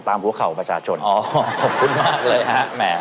หัวเข่าประชาชนอ๋อขอบคุณมากเลยฮะแหม